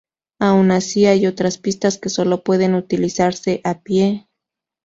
Aun así hay otras pistas que sólo pueden utilizarse a pie.